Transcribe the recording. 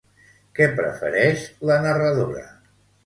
Què prefereix la narradora?